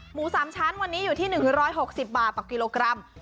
หมู๓ชั้นวันนี้อยู่ที่๑๖๐บาทต่อกิโลกรัม